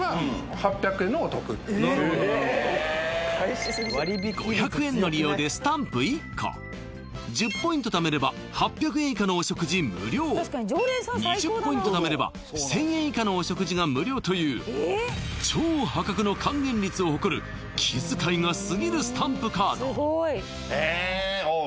なるほどなるほど５００円の利用でスタンプ１個１０ポイントためれば８００円以下のお食事無料２０ポイントためれば１０００円以下のお食事が無料というを誇る気遣いがすぎるスタンプカードえ